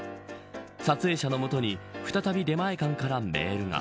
撮影者の元に再び出前館からメールが。